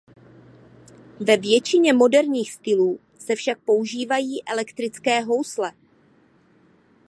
Ve většině moderních stylů se však používají elektrické housle.